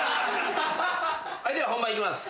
はいでは本番いきます。